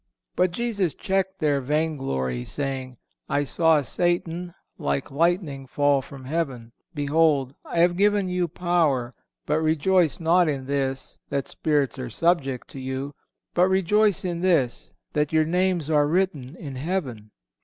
But Jesus checked their vain glory, saying: "I saw Satan like lightning fall from heaven. Behold, I have given you power ... but rejoice not in this, that spirits are subject to you; but rejoice in this, that your names are written in heaven."